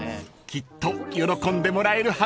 ［きっと喜んでもらえるはずです］